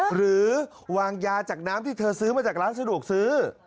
หรือวางยาจากน้ำที่เธอซื้อมาจากร้านสะดวกซื้อ